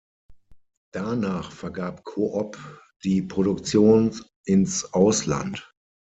Danach vergab Coop die Produktion ins Ausland.